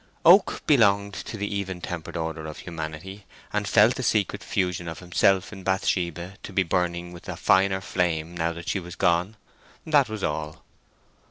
Oak belonged to the even tempered order of humanity, and felt the secret fusion of himself in Bathsheba to be burning with a finer flame now that she was gone—that was all.